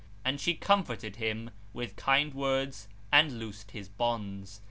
And she comforted him with kind words and loosed his bonds.